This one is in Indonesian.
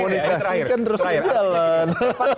komunikasi kan terus berjalan